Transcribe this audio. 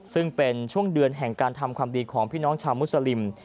ซึ่งเป็นช่วงเดือนแห่งการทำความดีของพี่น้องชาวมุสลิม